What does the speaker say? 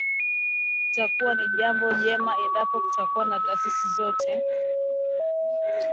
Itakuwa ni jambo jema endapo kuna taasisi zozote zinazoweza kuwasaidia